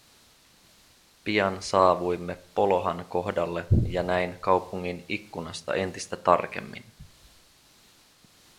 Pian saavuimme Polohan kohdalle ja näin kaupungin ikkunasta entistä tarkemmin.